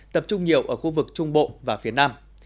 tập trung nhiều ở khu vực trung bộ và phía nam